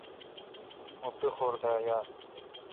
مہ پیخور دا یال۔